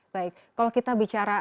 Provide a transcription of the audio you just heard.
baik kalau kita bicara